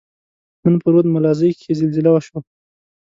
نن په رود ملازۍ کښي زلزله وشوه.